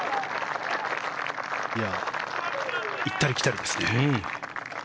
行ったり来たりですね。